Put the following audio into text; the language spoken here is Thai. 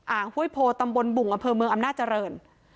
อ่างห้วยโพลตำบลบุงอำเภอเมืองอำนาจเจริญ